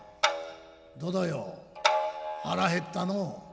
「どどよ腹減ったのう。